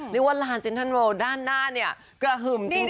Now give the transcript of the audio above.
เรียกว่าลานเจนทันโรลด้านหน้าเนี่ยกระหึมจริงค่ะ